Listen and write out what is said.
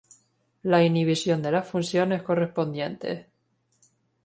La inhibición de las funciones conscientes.